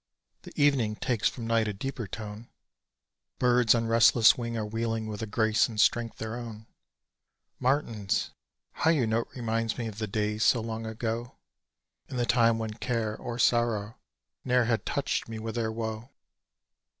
The evening takes from night a deeper tone; Birds on restless wing are wheeling with a grace and strength their own. Martins! How your note reminds me of the days so long ago, In the time when care or sorrow ne'er had touched me with their woe!